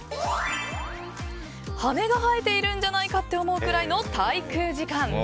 羽が生えているんじゃないかって思うくらいの滞空時間。